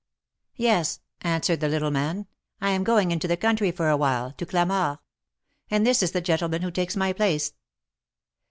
Yes," answered the little man. I am going into the country for a while — to Clamart. And this is the gentleman who takes my place."